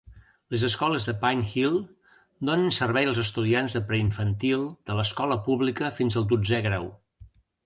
Les escoles de Pine Hill donen servei als estudiants de preinfantil de l'escola pública fins al dotzè grau.